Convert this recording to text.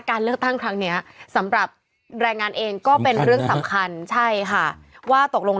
แต่มันก็เปลี่ยนงานต่อตัวเอง